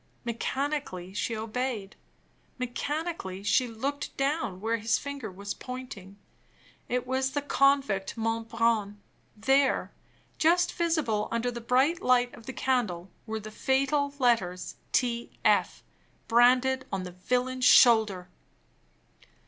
Mechanically she obeyed; mechanically she looked down where his finger was pointing. It was the convict Monbrun there, just visible under the bright light of the candle, were the fatal letters "T. F." branded on the villain's shoulder!